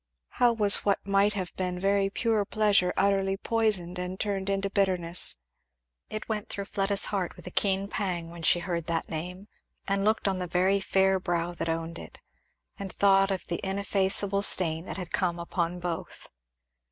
How was what might have been very pure pleasure utterly poisoned and turned into bitterness. It went through Fleda's heart with a keen pang when she heard that name and looked on the very fair brow that owned it, and thought of the ineffaceable stain that had come upon both.